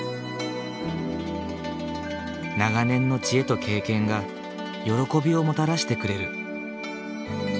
長年の知恵と経験が喜びをもたらしてくれる。